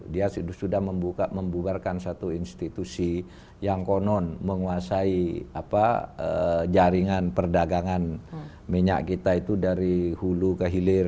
dia sudah membubarkan satu institusi yang konon menguasai jaringan perdagangan minyak kita itu dari hulu ke hilir